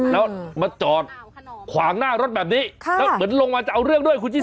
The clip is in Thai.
แล้วมาจอดขวางหน้ารถแบบนี้แล้วเหมือนลงมาจะเอาเรื่องด้วยคุณชิสา